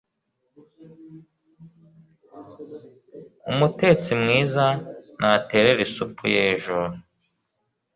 Umutetsi mwiza ntaterera isupu y'ejo